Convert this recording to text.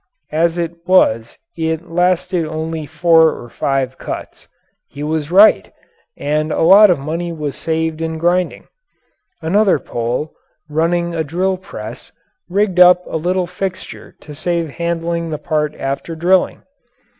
As it was it lasted only four or five cuts. He was right, and a lot of money was saved in grinding. Another Pole, running a drill press, rigged up a little fixture to save handling the part after drilling.